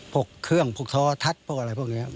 พวกเครื่องพวกโทรทัศน์พวกอะไรพวกนี้